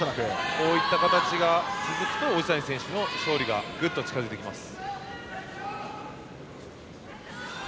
こうした形が続くと王子谷選手の勝利がぐっと近づいてきます。